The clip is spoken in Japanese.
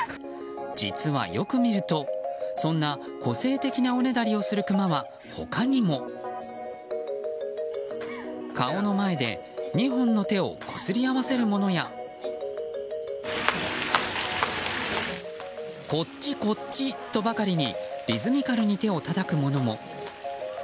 実はよく見ると、そんな個性的なおねだりをするクマは他にも。顔の前で２本の手をこすり合わせる者やこっちこっち！とばかりにリズミカルに手をたたく者も。